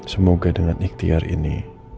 semoga dengan ikhtiar ini